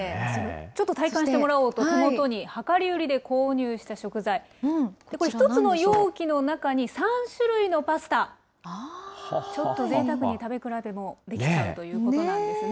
ちょっと体感してもらおうと、手元に量り売りで購入した食材、これ、１つの容器の中に３種類のパスタ、ちょっと贅沢に食べ比べもできちゃうということなんですね。